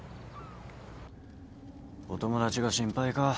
お友達が心配か？